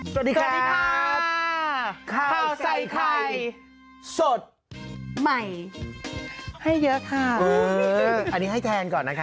สวัสดีครับข้าวใส่ไข่สดใหม่ให้เยอะค่ะโอ้นี่อันนี้ให้แทนก่อนนะคะ